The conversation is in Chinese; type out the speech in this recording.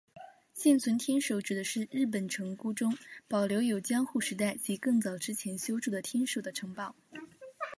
现存天守指的是日本城郭中保留有江户时代及更早之前修筑的天守的城堡。